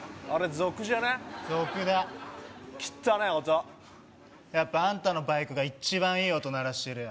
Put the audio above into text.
族だきったねー音やっぱあんたのバイクが一番いい音鳴らしてるよ